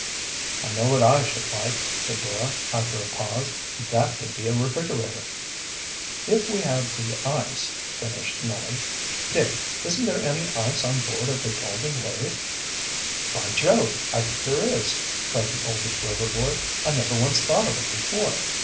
"I know what I should like," said Dora, after a pause. "That would be a refrigerator." "If we had the ice," finished Nellie. "Dick, isn't there any ice on board of the Golden Wave?" "By Jove! I think there is," cried the oldest Rover boy. "I never once thought of it before."